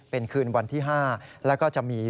เป็นคืนวันที่๕แล้วก็จะมี